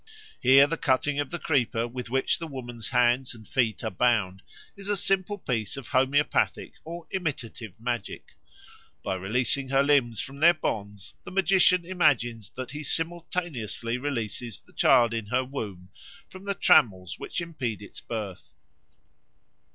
Here the cutting of the creeper with which the woman's hands and feet are bound is a simple piece of homoeopathic or imitative magic: by releasing her limbs from their bonds the magician imagines that he simultaneously releases the child in her womb from the trammels which impede its birth.